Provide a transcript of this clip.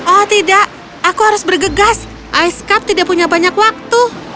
oh tidak aku harus bergegas ice cup tidak punya banyak waktu